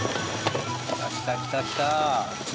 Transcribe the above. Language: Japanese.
ああ来た来た来た。